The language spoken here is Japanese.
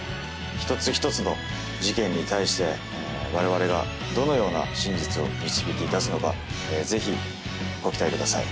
一つ一つの事件に対して我々がどのような真実を導き出すのか是非ご期待ください。